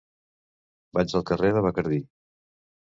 Vaig al carrer de Bacardí.